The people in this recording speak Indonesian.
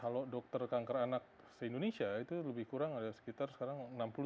kalau dokter kanker anak se indonesia itu lebih kurang ada sekitar sekarang enam puluh tujuh